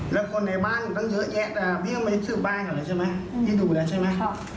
แล้วคนในบ้านตั้งเยอะแยะแต่พี่ก็ไม่ได้ชื่อบ้านเขาเลยใช่ไหมพี่ดูแล้วใช่ไหม